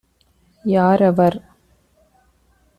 யார் அவர்?